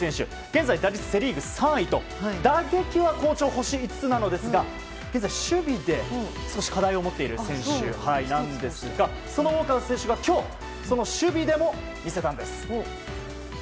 現在、打率セ・リーグ３位と打撃は好調、星５つなんですが現在、守備で少し課題を持っている選手なんですがそのウォーカー選手が今日、守備でも魅せたんです。